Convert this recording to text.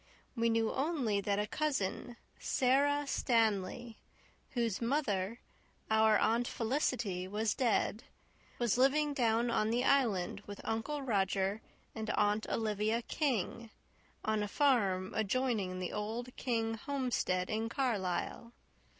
We knew only that a cousin, Sara Stanley, whose mother, our Aunt Felicity, was dead, was living down on the Island with Uncle Roger and Aunt Olivia King, on a farm adjoining the old King homestead in Carlisle.